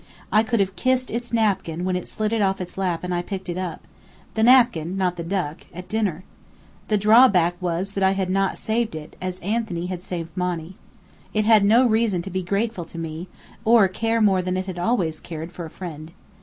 I could have kissed its napkin when it slid off its lap and I picked it up the napkin, not the duck at dinner. The drawback was that I had not saved it, as Anthony had saved Monny. It had no reason to be grateful to me, or care more than it had always cared, for a friend.